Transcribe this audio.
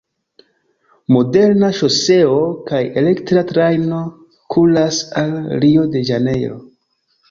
Moderna ŝoseo kaj elektra trajno kuras al Rio-de-Ĵanejro.